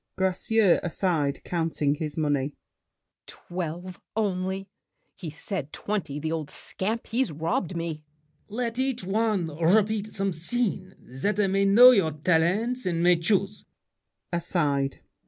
GRACIEUX (aside, counting his money). Twelve only! He said twenty. The old scamp! He's robbed me! LAFFEMAS. Let each one repeat some scene, That I may know your talents and may choose. [Aside.